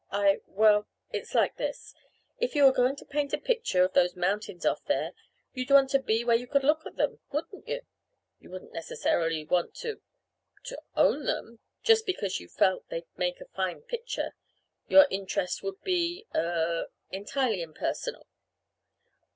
I, well, it's like this: if you were going to paint a picture of those mountains off there, you'd want to be where you could look at them wouldn't you? You wouldn't necessarily want to to own them, just because you felt they'd make a fine picture. Your interest would be, er, entirely impersonal."